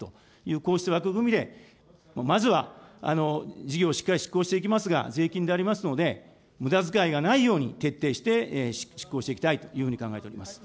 こうした枠組みで、まずは事業をしっかり執行していきますが、税金でありますので、むだづかいがないように、徹底して執行していきたいというふうに考えております。